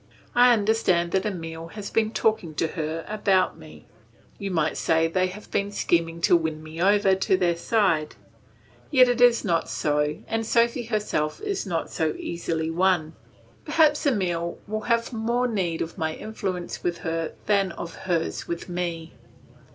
I understand that Emile has been talking to her about me; you might say they have been scheming to win me over to their side; yet it is not so, and Sophy herself is not so easily won. Perhaps Emile will have more need of my influence with her than of hers with me.